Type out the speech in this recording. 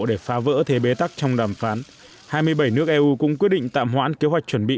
để phá vỡ thế bế tắc trong đàm phán hai mươi bảy nước eu cũng quyết định tạm hoãn kế hoạch chuẩn bị